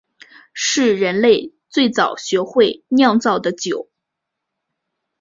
是人类最早学会酿造的酒。